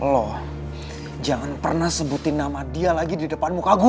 loh jangan pernah sebutin nama dia lagi di depan muka gue